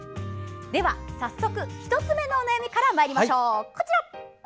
では早速、１つ目のお悩みからまいりましょう。